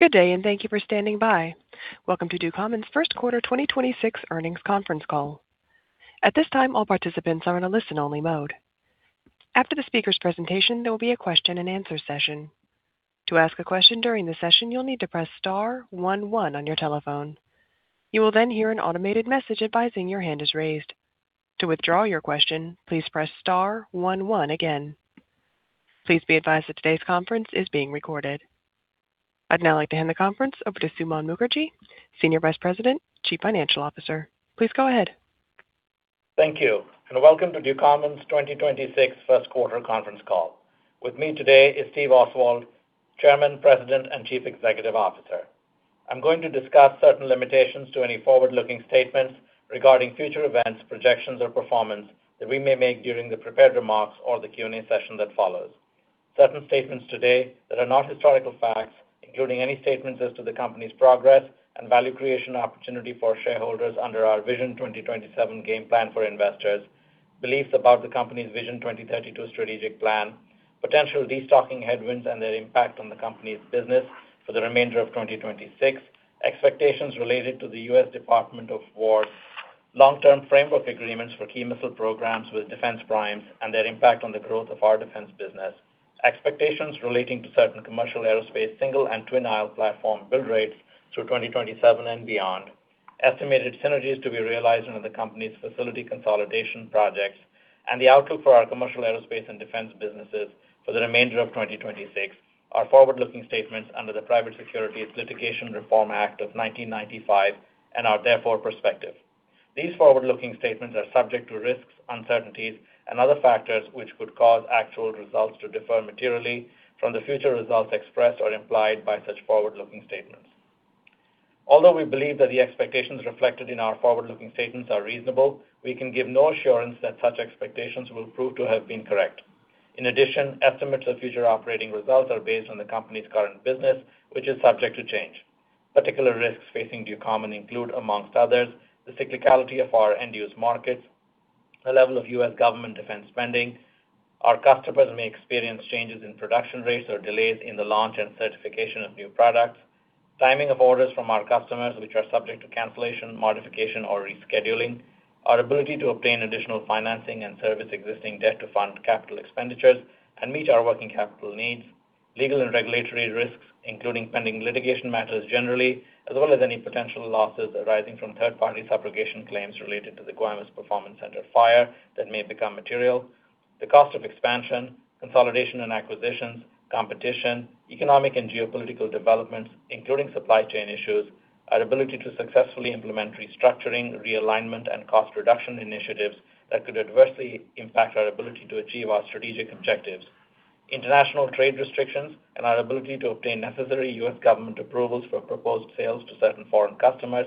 Good day, and thank you for standing by. Welcome to Ducommun's first quarter 2026 earnings conference call. At this time, all participants are in a listen-only mode. After the speaker's presentation, there will be a question-and-answer session. To ask a question during the session you'll need to press star one one on your telephone. You will then hear an automated message advising your hand is raised. To withdraw your question, please press star one one again. Please be advised that today's conference is being recorded. I'd now like to hand the conference over to Suman Mookerji, Senior Vice President, Chief Financial Officer. Please go ahead. Thank you, welcome to Ducommun's 2026 first quarter conference call. With me today is Steve Oswald, Chairman, President, and Chief Executive Officer. I'm going to discuss certain limitations to any forward-looking statements regarding future events, projections or performance that we may make during the prepared remarks or the Q&A session that follows. Certain statements today that are not historical facts, including any statements as to the company's progress and value creation opportunity for shareholders under our Vision 2027 game plan for investors, beliefs about the company's Vision 2032 strategic plan, potential destocking headwinds and their impact on the company's business for the remainder of 2026, expectations related to the US Department of Defense, long-term framework agreements for key missile programs with defense primes and their impact on the growth of our defense business, expectations relating to certain commercial aerospace single and twin aisle platform build rates through 2027 and beyond, estimated synergies to be realized under the company's facility consolidation projects, and the outlook for our commercial aerospace and defense businesses for the remainder of 2026 are forward-looking statements under the Private Securities Litigation Reform Act of 1995 and are therefore prospective. These forward-looking statements are subject to risks, uncertainties and other factors which could cause actual results to differ materially from the future results expressed or implied by such forward-looking statements. Although we believe that the expectations reflected in our forward-looking statements are reasonable, we can give no assurance that such expectations will prove to have been correct. In addition, estimates of future operating results are based on the company's current business, which is subject to change. Particular risks facing Ducommun include, amongst others, the cyclicality of our end-use markets, the level of US government defense spending. Our customers may experience changes in production rates or delays in the launch and certification of new products. Timing of orders from our customers, which are subject to cancellation, modification or rescheduling. Our ability to obtain additional financing and service existing debt to fund capital expenditures and meet our working capital needs. Legal and regulatory risks, including pending litigation matters generally, as well as any potential losses arising from third-party subrogation claims related to the Guaymas Performance Center fire that may become material. The cost of expansion, consolidation and acquisitions, competition, economic and geopolitical developments, including supply chain issues. Our ability to successfully implement restructuring, realignment, and cost reduction initiatives that could adversely impact our ability to achieve our strategic objectives. International trade restrictions and our ability to obtain necessary US government approvals for proposed sales to certain foreign customers.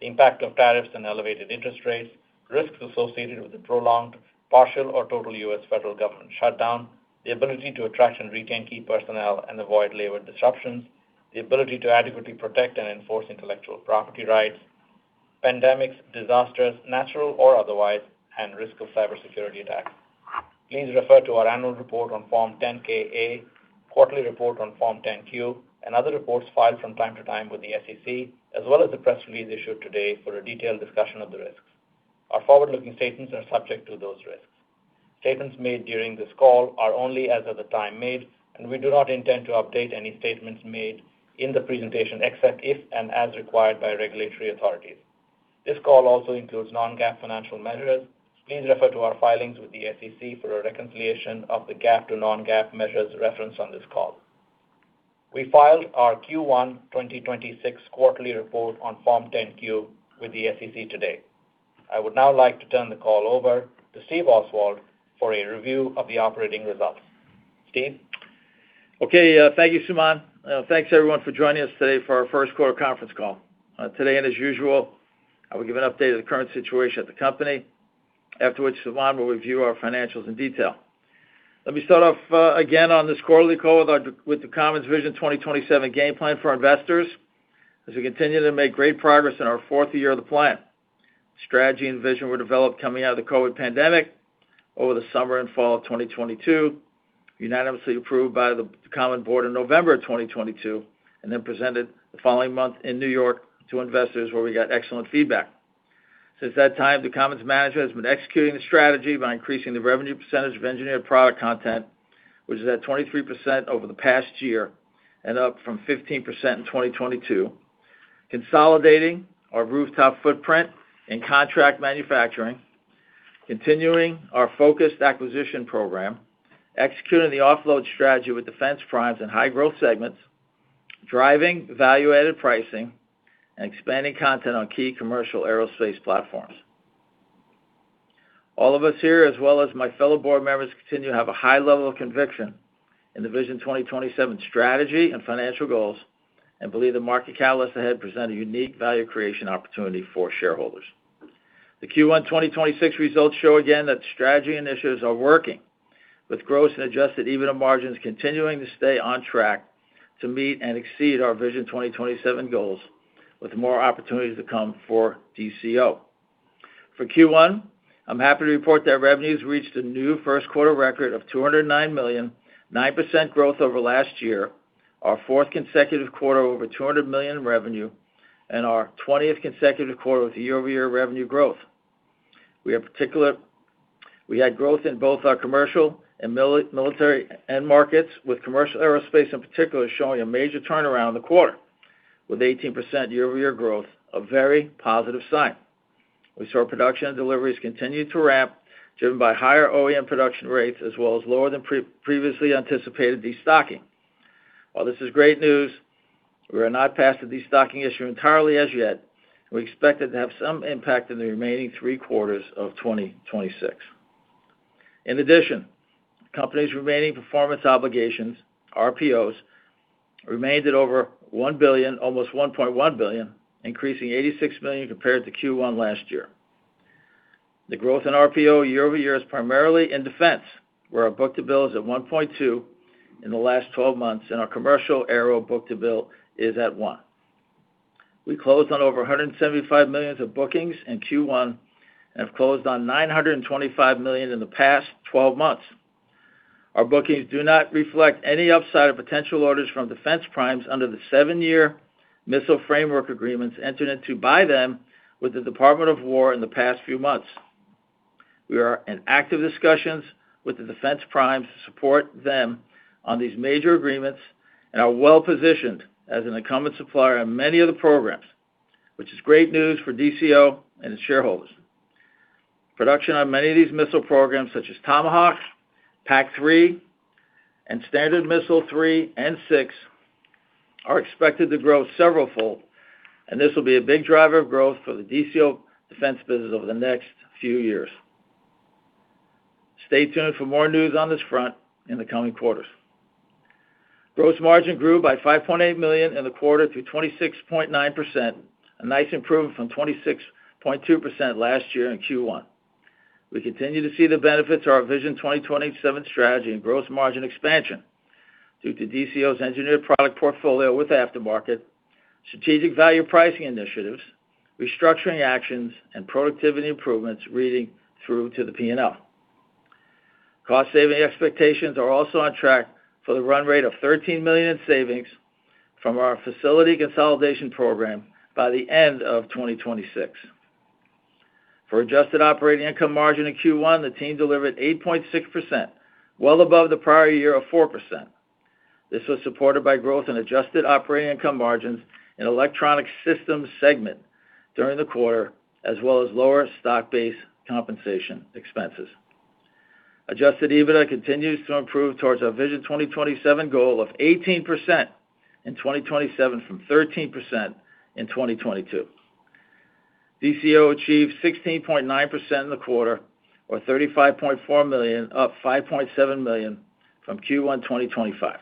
The impact of tariffs and elevated interest rates. Risks associated with a prolonged, partial or total US federal government shutdown. The ability to attract and retain key personnel and avoid labor disruptions. The ability to adequately protect and enforce intellectual property rights. Pandemics, disasters, natural or otherwise, and risk of cybersecurity attacks. Please refer to our annual report on Form 10-K/A, quarterly report on Form 10-Q and other reports filed from time to time with the SEC, as well as the press release issued today for a detailed discussion of the risks. Our forward-looking statements are subject to those risks. Statements made during this call are only as of the time made. We do not intend to update any statements made in the presentation, except if and as required by regulatory authorities. This call also includes non-GAAP financial measures. Please refer to our filings with the SEC for a reconciliation of the GAAP to non-GAAP measures referenced on this call. We filed our Q1 2026 quarterly report on Form 10-Q with the SEC today. I would now like to turn the call over to Steve Oswald for a review of the operating results. Steve? Okay. Thank you, Suman. Thanks everyone for joining us today for our first quarter conference call. Today, as usual, I will give an update of the current situation at the company. Afterwards, Suman will review our financials in detail. Let me start off again on this quarterly call with Ducommun's Vision 2027 game plan for investors as we continue to make great progress in our fourth year of the plan. Strategy and vision were developed coming out of the COVID pandemic over the summer and fall of 2022, unanimously approved by the Ducommun board in November of 2022, then presented the following month in New York to investors, where we got excellent feedback. Since that time, Ducommun's management has been executing the strategy by increasing the revenue percentage of engineered product content, which is at 23% over the past year and up from 15% in 2022. Consolidating our rooftop footprint and contract manufacturing, continuing our focused acquisition program, executing the offload strategy with defense primes in high-growth segments, driving value-added pricing, and expanding content on key commercial aerospace platforms. All of us here, as well as my fellow board members, continue to have a high level of conviction in the Vision 2027 strategy and financial goals and believe the market catalysts ahead present a unique value creation opportunity for shareholders. The Q1 2026 results show again that strategy initiatives are working, with gross and adjusted EBITDA margins continuing to stay on track to meet and exceed our Vision 2027 goals, with more opportunities to come for DCO. For Q1, I'm happy to report that revenues reached a new first quarter record of $209 million, 9% growth over last year, our fourth consecutive quarter over $200 million in revenue, and our 20th consecutive quarter with year-over-year revenue growth. We had growth in both our commercial and military end markets, with commercial aerospace, in particular, showing a major turnaround in the quarter, with 18% year-over-year growth, a very positive sign. We saw production deliveries continue to ramp, driven by higher OEM production rates as well as lower than previously anticipated destocking. While this is great news, we are not past the destocking issue entirely as yet. We expect it to have some impact in the remaining three quarters of 2026. Company's remaining performance obligations, RPOs, remained at over $1 billion, almost $1.1 billion, increasing $86 million compared to Q1 last year. The growth in RPO year-over-year is primarily in defense, where our book-to-bill is at 1.2 in the last 12 months, and our commercial aero book-to-bill is at 1. We closed on over $175 million of bookings in Q1 and have closed on $925 million in the past 12 months. Our bookings do not reflect any upside of potential orders from defense primes under the seven year missile framework agreements entered into by them with the Department of Defense in the past few months. We are in active discussions with the defense primes to support them on these major agreements and are well-positioned as an incumbent supplier on many of the programs, which is great news for DCO and its shareholders. Production on many of these missile programs, such as Tomahawk, PAC-3, and Standard Missile-3 and Standard Missile-6, are expected to grow several-fold, and this will be a big driver of growth for the DCO defense business over the next few years. Stay tuned for more news on this front in the coming quarters. Gross margin grew by $5.8 million in the quarter to 26.9%, a nice improvement from 26.2% last year in Q1. We continue to see the benefits of our Vision 2027 strategy and gross margin expansion due to DCO's engineered product portfolio with aftermarket, strategic value pricing initiatives, restructuring actions, and productivity improvements reading through to the P&L. Cost-saving expectations are also on track for the run rate of $13 million in savings from our facility consolidation program by the end of 2026. For adjusted operating income margin in Q1, the team delivered 8.6%, well above the prior year of 4%. This was supported by growth in adjusted operating income margins in Electronic Systems segment during the quarter, as well as lower stock-based compensation expenses. Adjusted EBITDA continues to improve towards our Vision 2027 goal of 18% in 2027 from 13% in 2022. DCO achieved 16.9% in the quarter, or $35.4 million, up $5.7 million from Q1 2025,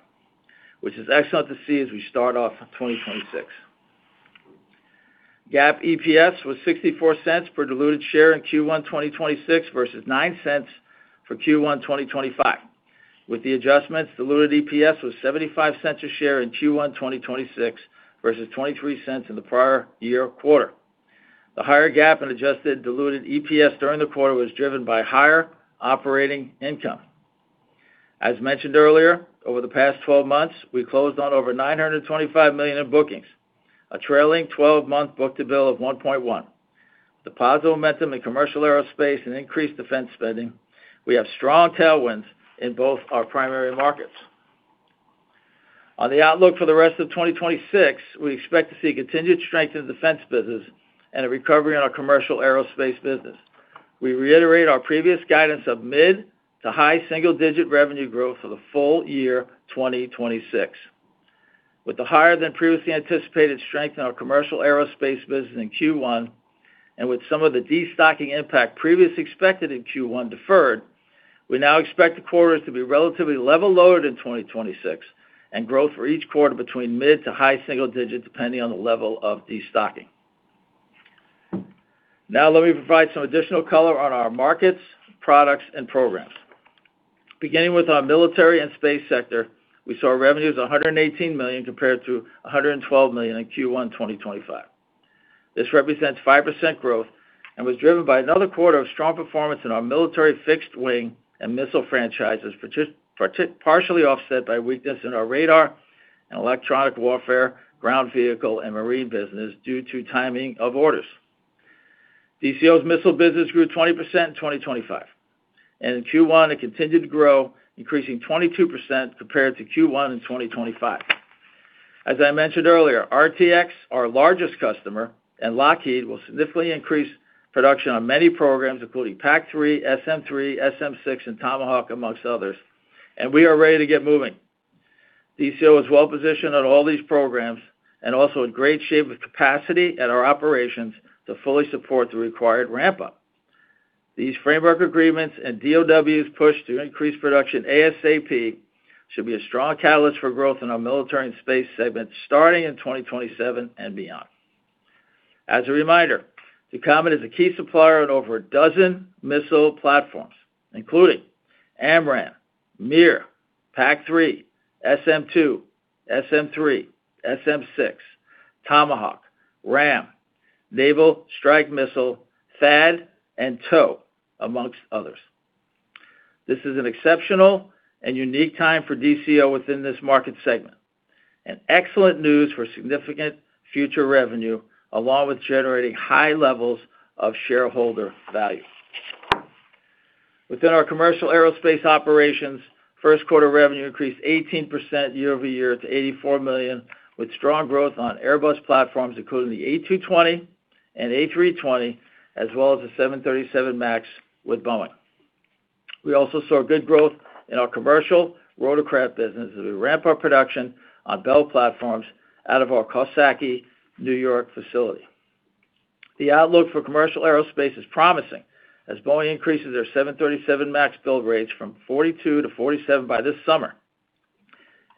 which is excellent to see as we start off 2026. GAAP EPS was $0.64 per diluted share in Q1 2026 versus $0.09 for Q1 2025. With the adjustments, diluted EPS was $0.75 a share in Q1 2026 versus $0.23 in the prior year quarter. The higher GAAP and adjusted diluted EPS during the quarter was driven by higher operating income. As mentioned earlier, over the past 12 months, we closed on over $925 million in bookings, a trailing 12 month book-to-bill of 1.1. The positive momentum in commercial aerospace and increased defense spending, we have strong tailwinds in both our primary markets. On the outlook for the rest of 2026, we expect to see continued strength in the defense business and a recovery in our commercial aerospace business. We reiterate our previous guidance of mid to high single-digit revenue growth for the full-year 2026. With the higher than previously anticipated strength in our commercial aerospace business in Q1, and with some of the destocking impact previously expected in Q1 deferred, we now expect the quarters to be relatively level loaded in 2026 and growth for each quarter between mid to high single digits, depending on the level of destocking. Let me provide some additional color on our markets, products, and programs. Beginning with our military and space sector, we saw revenues of $118 million compared to $112 million in Q1 2025. This represents 5% growth and was driven by another quarter of strong performance in our military fixed wing and missile franchises, partially offset by weakness in our radar and electronic warfare, ground vehicle, and marine business due to timing of orders. DCO's missile business grew 20% in 2025. In Q1, it continued to grow, increasing 22% compared to Q1 in 2025. As I mentioned earlier, RTX, our largest customer, and Lockheed will significantly increase production on many programs, including PAC-3, SM-3, SM-6, and Tomahawk, amongst others. We are ready to get moving. DCO is well-positioned on all these programs and also in great shape with capacity at our operations to fully support the required ramp-up. These framework agreements and DOD's push to increase production ASAP should be a strong catalyst for growth in our military and space segment starting in 2027 and beyond. As a reminder, the company is a key supplier on over a dozen missile platforms, including AMRAAM, MIRV, PAC-3, SM-2, SM-3, SM-6, Tomahawk, RAM, Naval Strike Missile, THAAD, and TOW, amongst others. This is an exceptional and unique time for DCO within this market segment, and excellent news for significant future revenue along with generating high levels of shareholder value. Within our commercial aerospace operations, first quarter revenue increased 18% year-over-year to $84 million, with strong growth on Airbus platforms, including the A220 and A320, as well as the 737 MAX with Boeing. We also saw good growth in our commercial rotorcraft business as we ramp our production on Bell platforms out of our Coxsackie, New York facility. The outlook for commercial aerospace is promising as Boeing increases their 737 MAX build rates from 42 to 47 by this summer,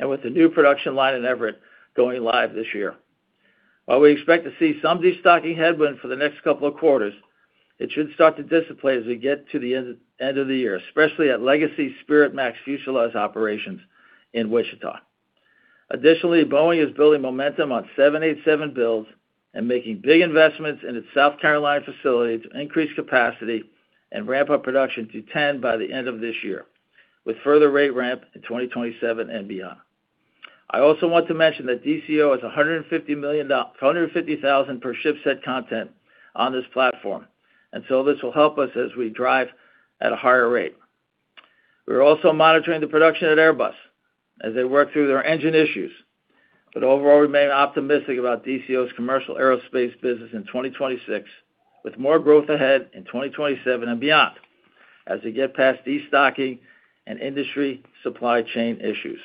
with the new production line in Everett going live this year. While we expect to see some destocking headwind for the next couple of quarters, it should start to dissipate as we get to the end of the year, especially at Legacy Spirit MAX fuselage operations in Wichita. Additionally, Boeing is building momentum on 787 builds and making big investments in its South Carolina facility to increase capacity and ramp up production to 10 by the end of this year, with further rate ramp in 2027 and beyond. I also want to mention that DCO has $150,000 per ship set content on this platform. This will help us as we drive at a higher rate. We're also monitoring the production at Airbus as they work through their engine issues. Overall remain optimistic about DCO's commercial aerospace business in 2026, with more growth ahead in 2027 and beyond as they get past destocking and industry supply chain issues.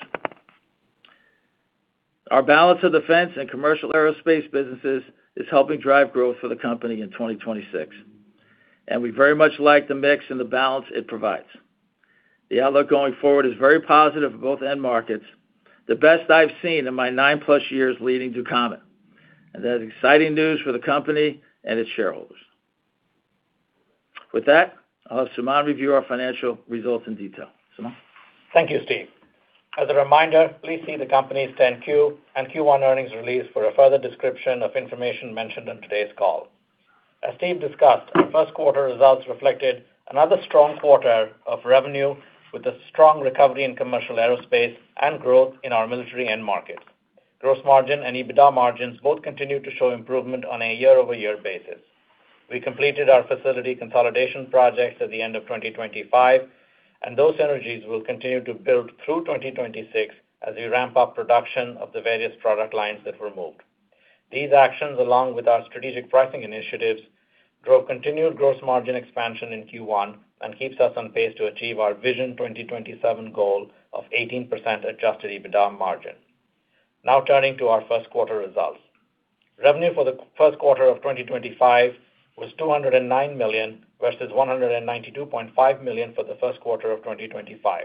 Our balance of defense and commercial aerospace businesses is helping drive growth for the company in 2026, and we very much like the mix and the balance it provides. The outlook going forward is very positive for both end markets, the best I've seen in my nine plus years leading Ducommun, and that is exciting news for the company and its shareholders. With that, I'll have Suman review our financial results in detail. Suman? Thank you, Steve. As a reminder, please see the company's 10-Q and Q1 earnings release for a further description of information mentioned in today's call. As Steve discussed, our first quarter results reflected another strong quarter of revenue with a strong recovery in commercial aerospace and growth in our military end market. Gross margin and EBITDA margins both continue to show improvement on a year-over-year basis. We completed our facility consolidation projects at the end of 2025, and those synergies will continue to build through 2026 as we ramp up production of the various product lines that were moved. These actions, along with our strategic pricing initiatives, drove continued gross margin expansion in Q1 and keeps us on pace to achieve our Vision 2027 goal of 18% adjusted EBITDA margin. Turning to our first quarter results. Revenue for the first quarter of 2025 was $209 million, versus $192.5 million for the first quarter of 2025.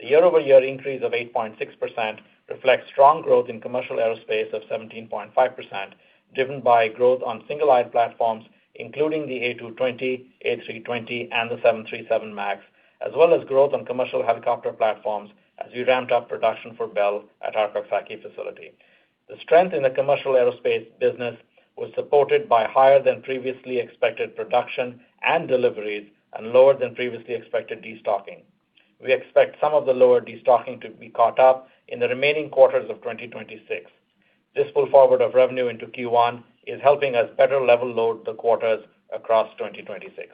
The year-over-year increase of 8.6% reflects strong growth in commercial aerospace of 17.5%, driven by growth on single-aisle platforms, including the A220, A320, and the 737 MAX, as well as growth on commercial helicopter platforms as we ramped up production for Bell at our Coxsackie facility. The strength in the commercial aerospace business was supported by higher than previously expected production and deliveries and lower than previously expected destocking. We expect some of the lower destocking to be caught up in the remaining quarters of 2026. This pull forward of revenue into Q1 is helping us better level load the quarters across 2026.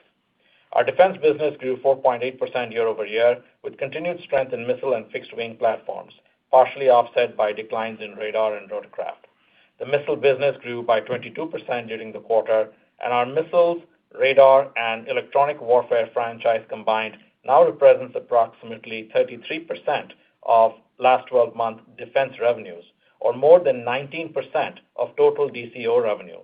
Our defense business grew 4.8% year-over-year, with continued strength in missile and fixed-wing platforms, partially offset by declines in radar and rotorcraft. The missile business grew by 22% during the quarter, and our missiles, radar, and electronic warfare franchise combined now represents approximately 33% of last 12 month defense revenues, or more than 19% of total DCO revenue.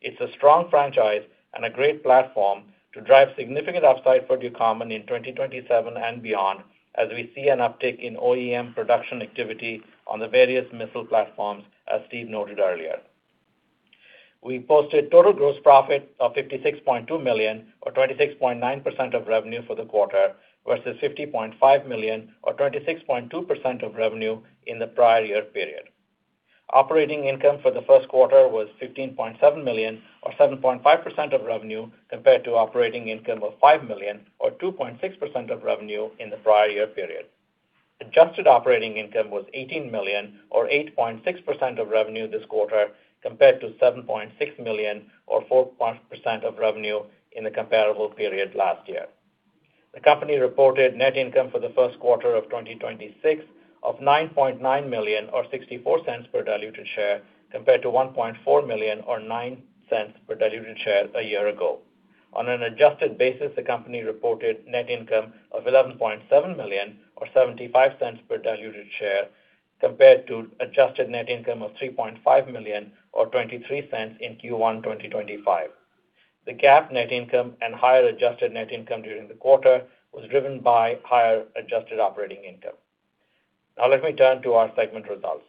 It's a strong franchise and a great platform to drive significant upside for Ducommun in 2027 and beyond as we see an uptick in OEM production activity on the various missile platforms, as Steve noted earlier. We posted total gross profit of $56.2 million or 26.9% of revenue for the quarter versus $50.5 million or 26.2% of revenue in the prior year period. Operating income for the first quarter was $15.7 million or 7.5% of revenue compared to operating income of $5 million or 2.6% of revenue in the prior year period. Adjusted operating income was $18 million or 8.6% of revenue this quarter compared to $7.6 million or 4.0% of revenue in the comparable period last year. The company reported net income for the first quarter of 2026 of $9.9 million or $0.64 per diluted share compared to $1.4 million or $0.09 per diluted share a year ago. On an adjusted basis, the company reported net income of $11.7 million or $0.75 per diluted share compared to adjusted net income of $3.5 million or $0.23 in Q1 2025. The GAAP net income and higher adjusted net income during the quarter was driven by higher adjusted operating income. Let me turn to our segment results.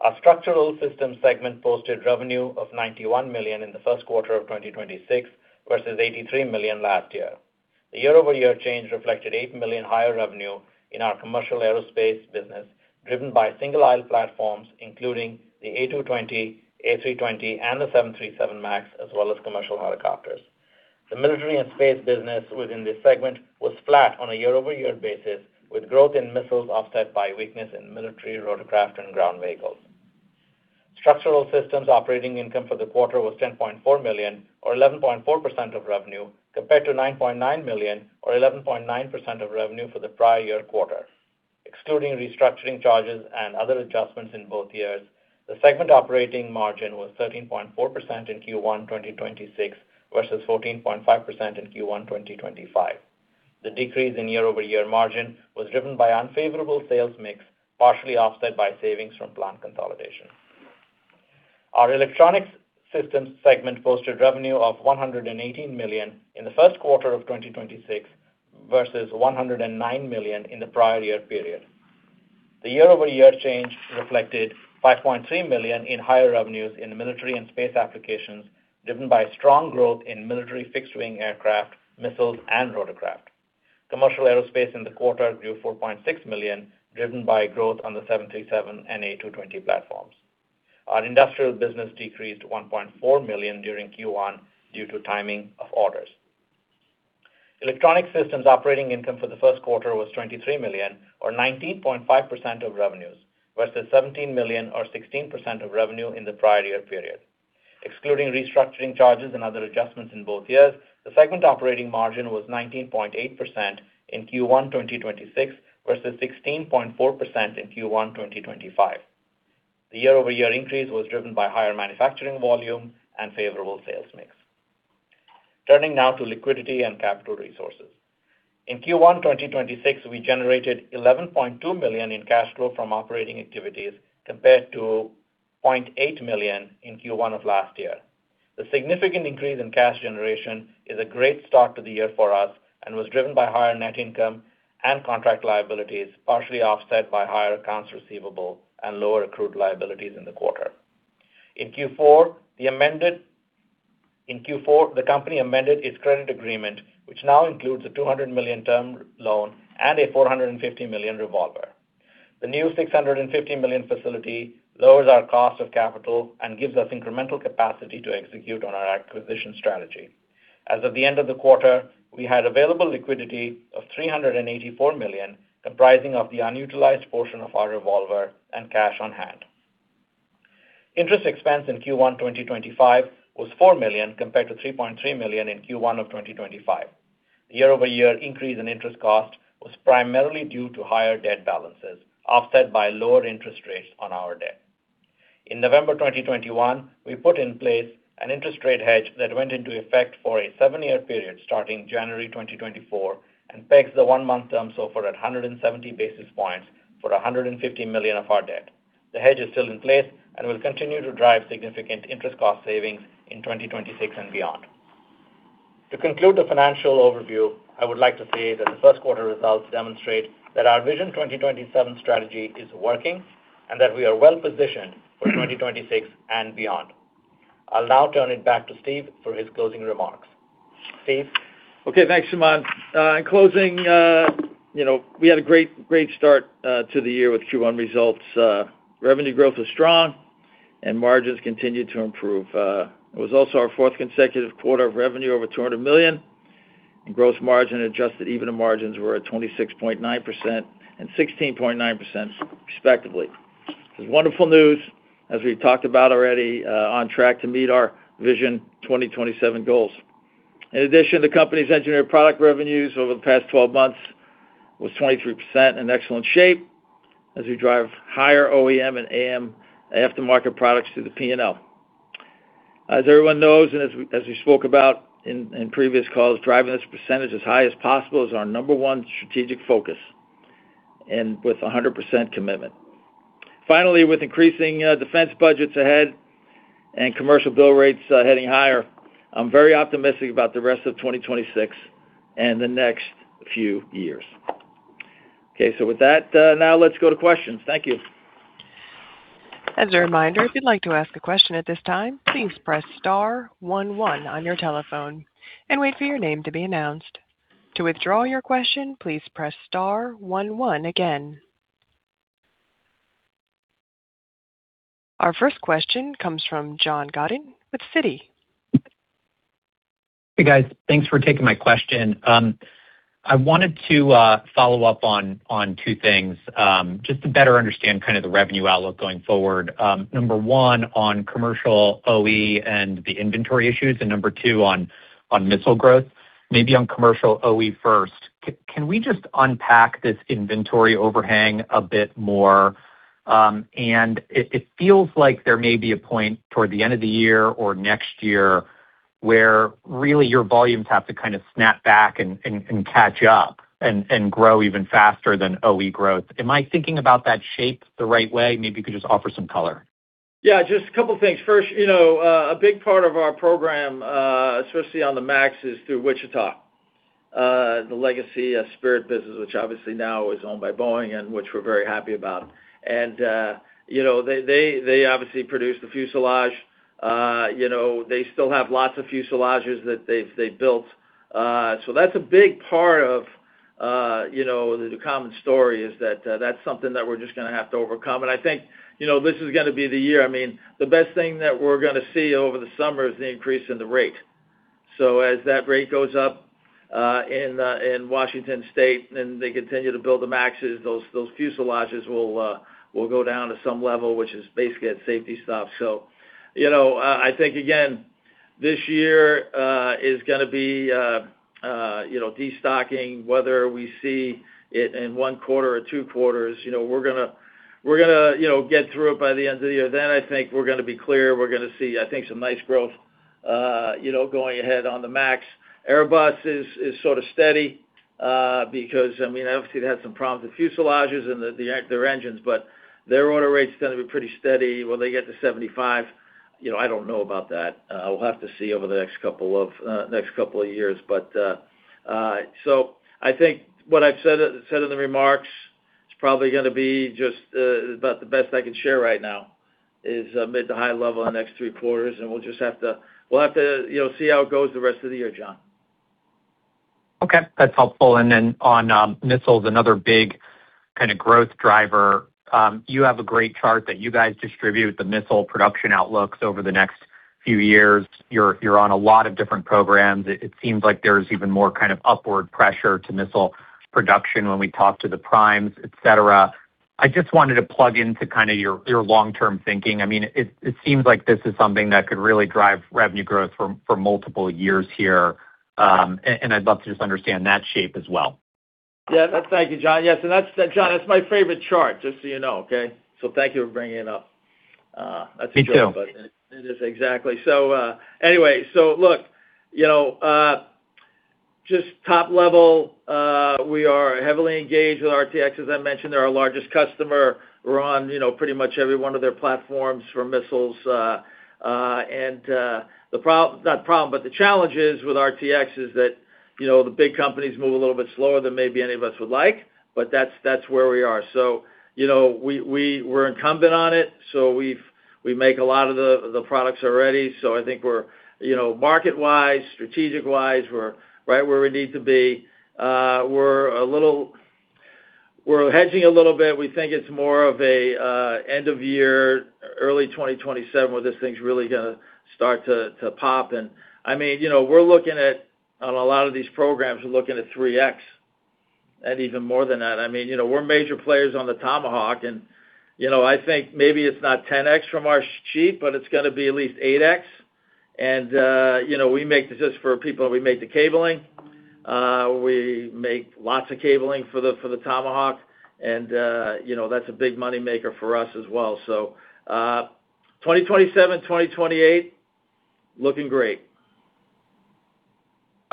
Our Structural Systems segment posted revenue of $91 million in the first quarter of 2026 versus $83 million last year. The year-over-year change reflected $8 million higher revenue in our commercial aerospace business, driven by single-aisle platforms, including the A220, A320, and the 737 MAX, as well as commercial helicopters. The military and space business within this segment was flat on a year-over-year basis, with growth in missiles offset by weakness in military rotorcraft and ground vehicles. Structural Systems operating income for the quarter was $10.4 million, or 11.4% of revenue, compared to $9.9 million, or 11.9% of revenue for the prior year quarter. Excluding restructuring charges and other adjustments in both years, the segment operating margin was 13.4% in Q1 2026 versus 14.5% in Q1 2025. The decrease in year-over-year margin was driven by unfavorable sales mix, partially offset by savings from plant consolidation. Our Electronic Systems segment posted revenue of $118 million in the first quarter of 2026 versus $109 million in the prior year period. The year-over-year change reflected $5.3 million in higher revenues in the military and space applications, driven by strong growth in military fixed-wing aircraft, missiles, and rotorcraft. Commercial aerospace in the quarter grew $4.6 million, driven by growth on the 737 and A220 platforms. Our industrial business decreased $1.4 million during Q1 due to timing of orders. Electronic Systems operating income for the first quarter was $23 million or 19.5% of revenues, versus $17 million or 16% of revenue in the prior year period. Excluding restructuring charges and other adjustments in both years, the segment operating margin was 19.8% in Q1 2026 versus 16.4% in Q1 2025. The year-over-year increase was driven by higher manufacturing volume and favorable sales mix. Turning now to liquidity and capital resources. In Q1 2026, we generated $11.2 million in cash flow from operating activities compared to $0.8 million in Q1 2025. The significant increase in cash generation is a great start to the year for us and was driven by higher net income and contract liabilities, partially offset by higher accounts receivable and lower accrued liabilities in the quarter. In Q4, the company amended its credit agreement, which now includes a $200 million term loan and a $450 million revolver. The new $650 million facility lowers our cost of capital and gives us incremental capacity to execute on our acquisition strategy. As of the end of the quarter, we had available liquidity of $384 million, comprising of the unutilized portion of our revolver and cash on hand. Interest expense in Q1 2025 was $4 million compared to $3.3 million in Q1 of 2025. The year-over-year increase in interest cost was primarily due to higher debt balances, offset by lower interest rates on our debt. In November 2021, we put in place an interest rate hedge that went into effect for a seven year period starting January 2024 and pegs the one month term SOFR for 170 basis points for $150 million of our debt. The hedge is still in place and will continue to drive significant interest cost savings in 2026 and beyond. To conclude the financial overview, I would like to say that the first quarter results demonstrate that our Vision 2027 strategy is working and that we are well-positioned for 2026 and beyond. I'll now turn it back to Steve for his closing remarks. Steve? Okay, thanks, Suman. In closing, you know, we had a great start to the year with Q1 results. Revenue growth was strong and margins continued to improve. It was also our fourth consecutive quarter of revenue over $200 million, and gross margin adjusted EBITDA margins were at 26.9% and 16.9% respectively. This is wonderful news as we've talked about already, on track to meet our Vision 2027 goals. In addition, the company's engineered product revenues over the past 12 months was 23% in excellent shape as we drive higher OEM and AM aftermarket products through the P&L. As everyone knows and as we spoke about in previous calls, driving this percentage as high as possible is our number-one strategic focus, and with 100% commitment. Finally, with increasing defense budgets ahead and commercial bill rates heading higher, I'm very optimistic about the rest of 2026 and the next few years. Okay. With that, now let's go to questions. Thank you. As a reminder, if you'd like to ask a question at this time, please press star one one on your telephone and wait for your name to be announced. To withdraw your question, please press star one one again. Our first question comes from John Goddin with Citi. Hey, guys. Thanks for taking my question. I wanted to follow up on two things, just to better understand kind of the revenue outlook going forward. Number one, on commercial OE and the inventory issues, and number two, on missile growth. Maybe on commercial OE first, can we just unpack this inventory overhang a bit more? It feels like there may be a point toward the end of the year or next year where really your volumes have to kind of snap back and catch up and grow even faster than OE growth. Am I thinking about that shape the right way? Maybe you could just offer some color. Yeah, just a couple of things. First, you know, a big part of our program, especially on the MAX, is through Wichita, the legacy of Spirit business, which obviously now is owned by Boeing and which we're very happy about. You know, they obviously produced the fuselage. You know, they still have lots of fuselages that they built. So that's a big part of, you know, the Ducommun story, is that that's something that we're just gonna have to overcome. I think, you know, this is gonna be the year. I mean, the best thing that we're gonna see over the summer is the increase in the rate. As that rate goes up in Washington State, and they continue to build the MAXes, those fuselages will go down to some level, which is basically at safety stop. You know, I think, again, this year is gonna be, you know, destocking, whether we see it in one quarter or two quarters. You know, we're gonna, you know, get through it by the end of the year. I think we're gonna be clear. We're gonna see, I think, some nice growth, you know, going ahead on the MAX. Airbus is sort of steady because, I mean, obviously they had some problems with fuselages and their engines, but their order rate's gonna be pretty steady. Will they get to 75? You know, I don't know about that. We'll have to see over the next couple of next couple of years. I think what I've said in the remarks, it's probably gonna be just about the best I can share right now, is mid to high level the next three quarters. We'll just have to, you know, see how it goes the rest of the year, John. Okay, that's helpful. Then on missiles, another big kind of growth driver. You have a great chart that you guys distribute the missile production outlooks over the next few years. You're on a lot of different programs. It seems like there's even more kind of upward pressure to missile production when we talk to the primes, et cetera. I just wanted to plug into kind of your long-term thinking. I mean, it seems like this is something that could really drive revenue growth for multiple years here. I'd love to just understand that shape as well. Yeah. Thank you, John. Yes, John, that's my favorite chart, just so you know, okay? Thank you for bringing it up. That's a joke. Me too. It is, exactly. Anyway, so look, you know, just top level, we are heavily engaged with RTX. As I mentioned, they're our largest customer. We're on, you know, pretty much every one of their platforms for missiles. And the challenge is with RTX is that, you know, the big companies move a little bit slower than maybe any of us would like, but that's where we are. You know, we're incumbent on it, so we make a lot of the products already. I think we're, you know, market-wise, strategic-wise, we're right where we need to be. We're hedging a little bit. We think it's more of a end of year, early 2027, where this thing's really gonna start to pop. I mean, you know, we're looking at, on a lot of these programs, we're looking at 3x, and even more than that. I mean, you know, we're major players on the Tomahawk. You know, I think maybe it's not 10x from our sheet, but it's gonna be at least 8x. You know, just for people, we make the cabling. We make lots of cabling for the Tomahawk. You know, that's a big moneymaker for us as well. 2027, 2028, looking great.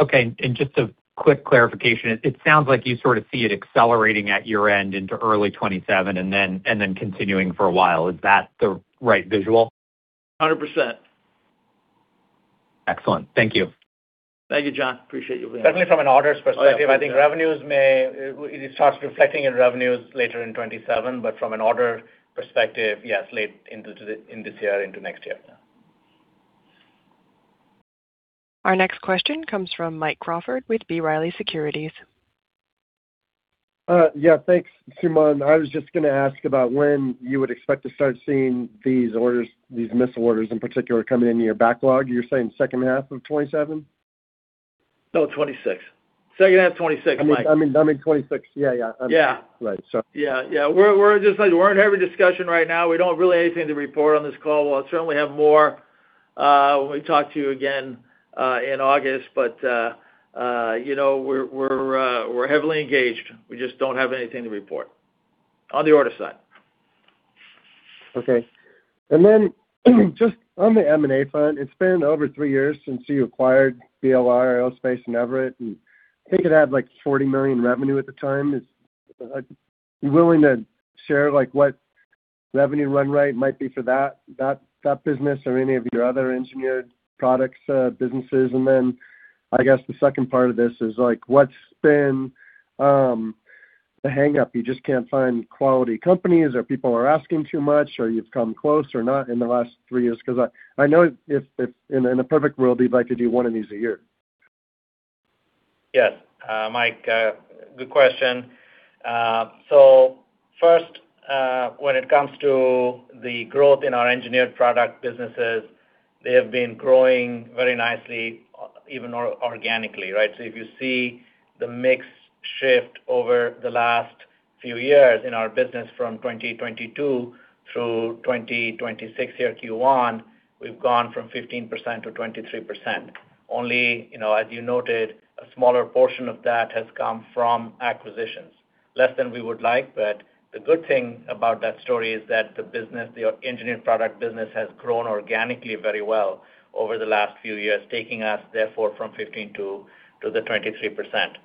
Okay. Just a quick clarification. It sounds like you sort of see it accelerating at your end into early 2027 and then continuing for a while. Is that the right visual? 100%. Excellent. Thank you. Thank you, John. Appreciate you. Certainly from an orders perspective Oh, yeah. Of course, yeah. It starts reflecting in revenues later in 2027. From an order perspective, yes, late into this year into next year. Our next question comes from Mike Crawford with B. Riley Securities. Yeah, thanks, Suman. I was just gonna ask about when you would expect to start seeing these orders, these missile orders in particular, coming into your backlog. You're saying second half of 2027? No, 2026. Second half 2026, Mike. I mean 2026. Yeah. Yeah. Right. Yeah. We're just like, we're in heavy discussion right now. We don't really have anything to report on this call. We'll certainly have more when we talk to you again in August. You know, we're heavily engaged. We just don't have anything to report on the order side. Okay. Then just on the M&A front, it's been over three years since you acquired BLR Aerospace in Everett, I think it had like $40 million revenue at the time. Is you willing to share, like, what revenue run rate might be for that business or any of your other engineered products businesses? Then I guess the second part of this is, like, what's been the hang-up? You just can't find quality companies, or people are asking too much, or you've come close or not in the last three years? 'Cause I know if in a perfect world, you'd like to do one of these a year. Yes. Mike, good question. First, when it comes to the growth in our engineered product businesses, they have been growing very nicely, even organically, right? If you see the mix shift over the last few years in our business from 2022 through 2026 here, Q1, we've gone from 15% to 23%. Only, you know, as you noted, a smaller portion of that has come from acquisitions. Less than we would like, the good thing about that story is that the business, the engineering product business has grown organically very well over the last few years, taking us therefore from 15% to the 23%.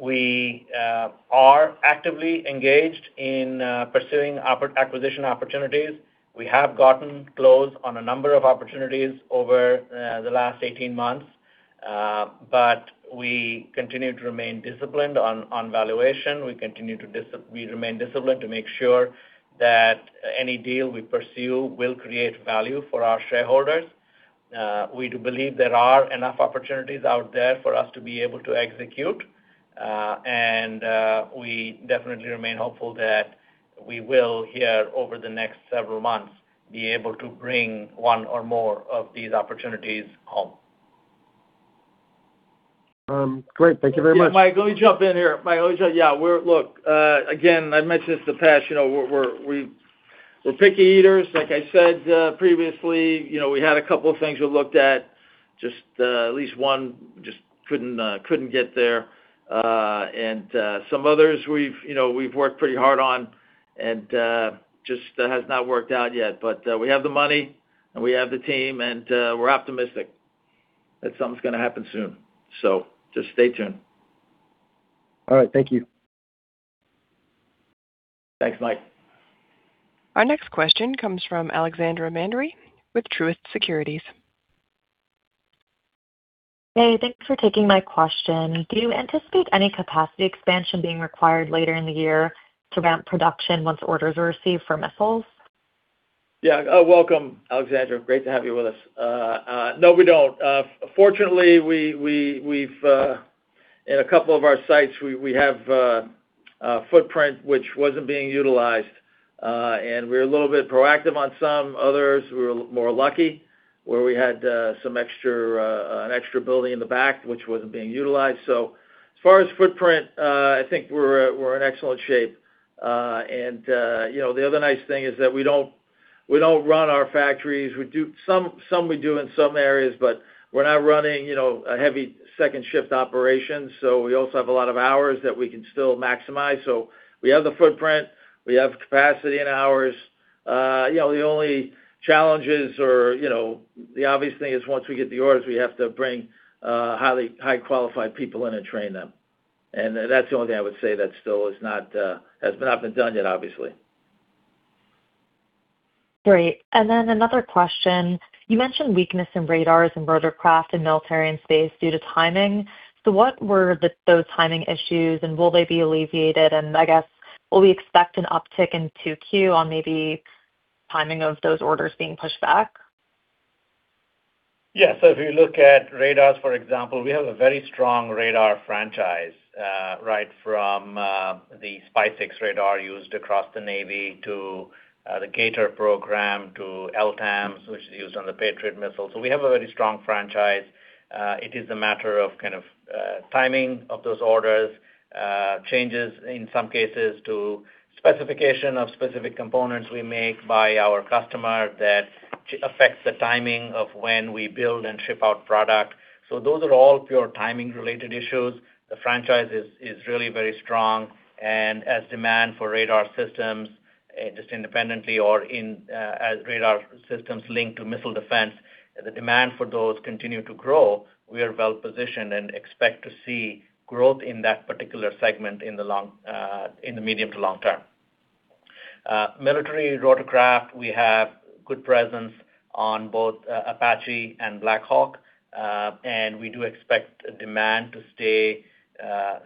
We are actively engaged in pursuing acquisition opportunities. We have gotten close on a number of opportunities over the last 18 months. We continue to remain disciplined on valuation. We remain disciplined to make sure that any deal we pursue will create value for our shareholders. We do believe there are enough opportunities out there for us to be able to execute. We definitely remain hopeful that we will here, over the next several months, be able to bring one or more of these opportunities home. Great. Thank you very much. Yeah, Mike, let me jump in here. Look, again, I've mentioned this in the past, you know, we're picky eaters. Like I said, previously, you know, we had a couple of things we looked at, just at least one just couldn't get there. Some others we've worked pretty hard on and just has not worked out yet. We have the money, and we have the team, and we're optimistic that something's gonna happen soon. Just stay tuned. All right. Thank you. Thanks, Mike. Our next question comes from Alexandra Mandery with Truist Securities. Hey, thanks for taking my question. Do you anticipate any capacity expansion being required later in the year to ramp production once orders are received for missiles? Yeah. Welcome, Alexandra. Great to have you with us. No, we don't. Fortunately, we've in a couple of our sites, we have a footprint which wasn't being utilized. We're a little bit proactive on some. Others, we're more lucky, where we had some extra an extra building in the back which wasn't being utilized. As far as footprint, I think we're in excellent shape. You know, the other nice thing is that we don't run our factories. We do some we do in some areas, but we're not running, you know, a heavy second shift operation. We also have a lot of hours that we can still maximize. We have the footprint, we have capacity and hours. You know, the only challenges are, you know, the obvious thing is once we get the orders, we have to bring high qualified people in and train them. That's the only thing I would say that still is not, has not been done yet, obviously. Great. Another question. You mentioned weakness in radars and rotorcraft in military and space due to timing. What were those timing issues, and will they be alleviated? I guess, will we expect an uptick in 2Q on maybe timing of those orders being pushed back? Yeah. If you look at radars, for example, we have a very strong radar franchise, right from the SPY-6 radar used across the Navy to the GATOR program to LTAMDS, which is used on the Patriot missile. We have a very strong franchise. It is a matter of kind of timing of those orders, changes in some cases to specification of specific components we make by our customer that affects the timing of when we build and ship out product. Those are all pure timing related issues. The franchise is really very strong. As demand for radar systems, just independently or in as radar systems linked to missile defense, the demand for those continue to grow. We are well-positioned and expect to see growth in that particular segment in the long, in the medium to long term. Military rotorcraft, we have good presence on both, Apache and Black Hawk. We do expect demand to stay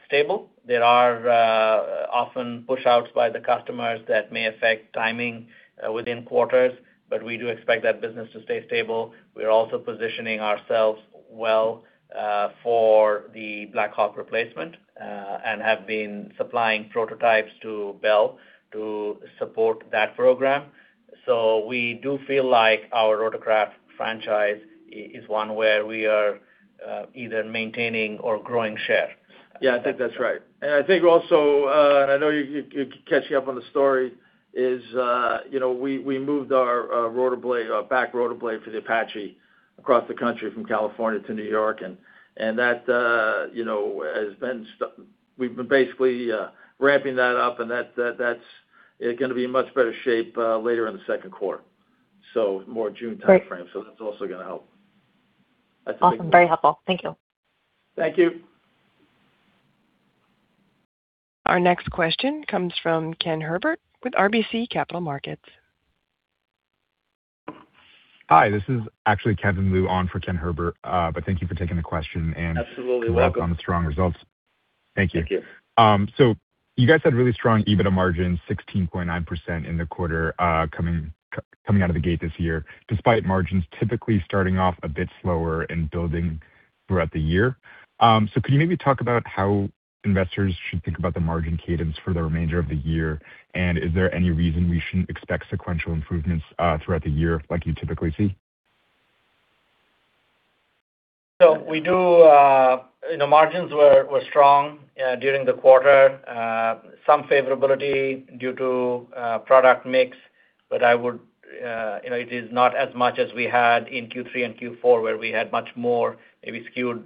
stable. There are often pushouts by the customers that may affect timing within quarters, but we do expect that business to stay stable. We're also positioning ourselves well for the Black Hawk replacement, and have been supplying prototypes to Bell to support that program. We do feel like our rotorcraft franchise is one where we are either maintaining or growing share. Yeah, I think that's right. I think also, I know you're catching up on the story is, you know, we moved our rotor blade, back rotor blade for the Apache across the country from California to New York. That, you know, has been We've been basically ramping that up, and that's gonna be in much better shape later in the second quarter. So more June timeframe. Great. That's also gonna help. That's it. Awesome. Very helpful. Thank you. Thank you. Our next question comes from Ken Herbert with RBC Capital Markets. Hi, this is actually Kevin Lu on for Ken Herbert. Thank you for taking the question. Absolutely. Welcome. Welcome the strong results. Thank you. Thank you. You guys had really strong EBITDA margin, 16.9% in the quarter, coming out of the gate this year, despite margins typically starting off a bit slower and building throughout the year. Could you maybe talk about how investors should think about the margin cadence for the remainder of the year? Is there any reason we shouldn't expect sequential improvements throughout the year like you typically see? We do, you know, margins were strong during the quarter. Some favorability due to product mix, but I would, you know, it is not as much as we had in Q3 and Q4, where we had much more maybe skewed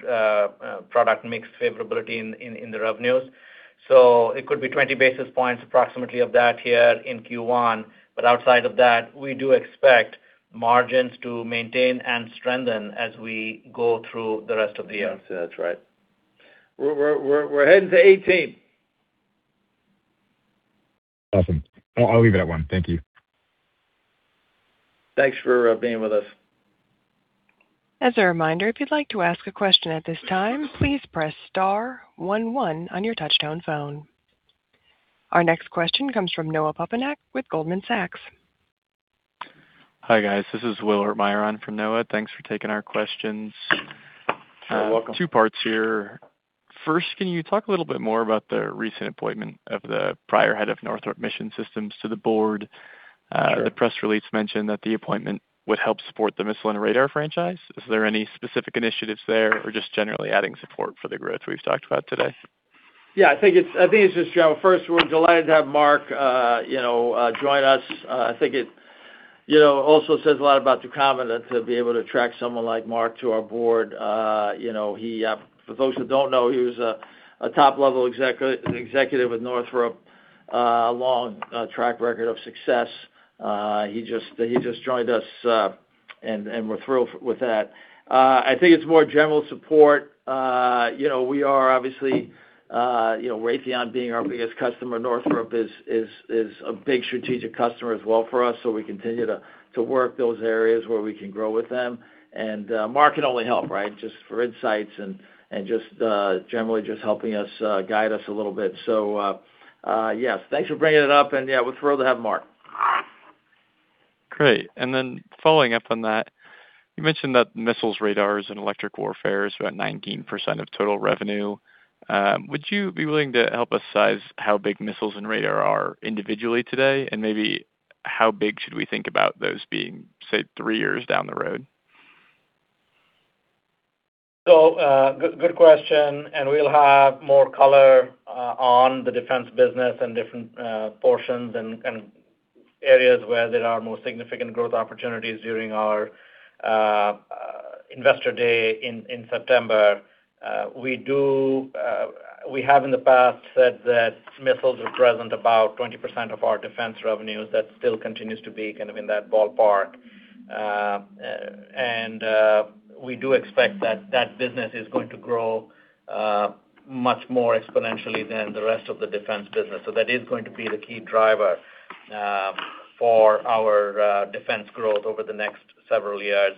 product mix favorability in the revenues. It could be 20 basis points approximately of that here in Q1. Outside of that, we do expect margins to maintain and strengthen as we go through the rest of the year. That's, that's right. We're heading to 18%. Awesome. I'll leave it at one. Thank you. Thanks for being with us. As a reminder if you would like to ask a question at this time please press star one one on your touch-tone phone. Our next question comes from Noah Poponak with Goldman Sachs. Hi, guys. This is Will Hertmyeron from Noah. Thanks for taking our questions. You're welcome. Two parts here. First, can you talk a little bit more about the recent appointment of the prior head of Northrop Mission Systems to the board? Sure. The press release mentioned that the appointment would help support the missile and radar franchise. Is there any specific initiatives there or just generally adding support for the growth we've talked about today? Yeah, I think it's, I think it's just, you know, first we're delighted to have Mark, you know, join us. I think it, you know, also says a lot about Ducommun that to be able to attract someone like Mark to our board. You know, he, for those who don't know, he was a top-level executive with Northrop, a long track record of success. He just, he just joined us, and we're thrilled with that. I think it's more general support. You know, we are obviously, you know, Raytheon being our biggest customer, Northrop is a big strategic customer as well for us, we continue to work those areas where we can grow with them. Mark can only help, right? Just for insights and just generally just helping us guide us a little bit. Yes, thanks for bringing it up. Yeah, we're thrilled to have Mark. Great. Following up on that, you mentioned that missiles, radars, and electronic warfare is about 19% of total revenue. Would you be willing to help us size how big missiles and radar are individually today? Maybe how big should we think about those being, say, three years down the road? Good question, and we'll have more color on the defense business and different portions and areas where there are more significant growth opportunities during our Investor Day in September. We have in the past said that missiles represent about 20% of our defense revenues. That still continues to be kind of in that ballpark. And we do expect that business is going to grow much more exponentially than the rest of the defense business. That is going to be the key driver for our defense growth over the next several years.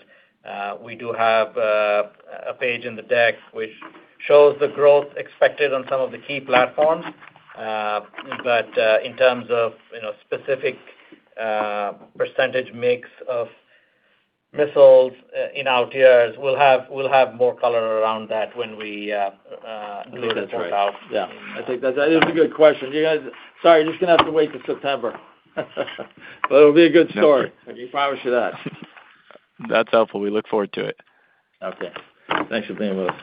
We do have a page in the deck which shows the growth expected on some of the key platforms. In terms of, you know, specific, percentage mix of missiles, in our tiers, we'll have more color around that when we. I think that's right. Yeah. It was a good question. You guys, sorry, you're just gonna have to wait till September. It'll be a good story. Thank you. I can promise you that. That's helpful. We look forward to it. Okay. Thanks for being with us.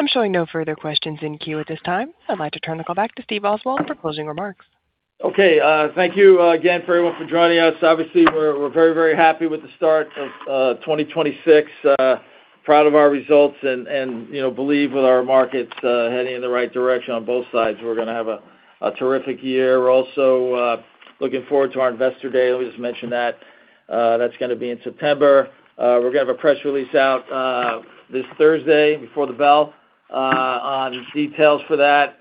I'm showing no further questions in queue at this time. I'd like to turn the call back to Steve Oswald for closing remarks. Okay. Thank you, again, everyone for joining us. Obviously, we're very, very happy with the start of 2026. Proud of our results and, you know, believe with our markets heading in the right direction on both sides. We're gonna have a terrific year. We're also looking forward to our Investor Day. Let me just mention that. That's gonna be in September. We're gonna have a press release out this Thursday before the bell on details for that.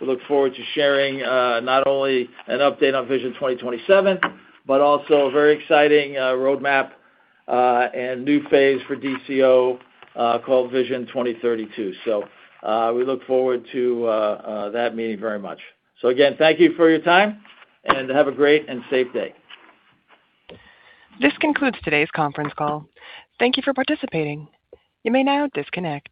We look forward to sharing not only an update on Vision 2027, but also a very exciting roadmap and new phase for DCO, called Vision 2032. We look forward to that meeting very much. Again, thank you for your time, and have a great and safe day. This concludes today's conference call. Thank you for participating. You may now disconnect.